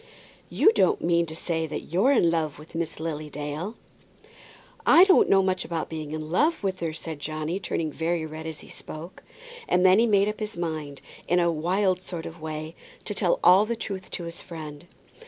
"You don't mean to say that you're in love with Miss Lily Dale?" "I don't know much about being in love with her," said Johnny, turning very red as he spoke. And then he made up his mind, in a wild sort of way, to tell all the truth to his friend.